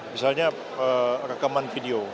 misalnya rekaman video